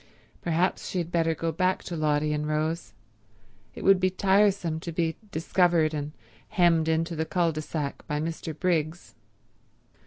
Perhaps she had better go back to Lotty and Rose; it would be tiresome to be discovered and hemmed into the cul de sac by Mr. Briggs.